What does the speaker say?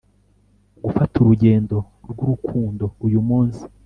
gufata urugendo rwurukundo uyumunsi